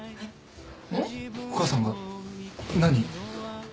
お母さんが何？